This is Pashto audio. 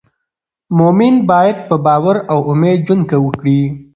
مؤمن باید په باور او امید ژوند وکړي.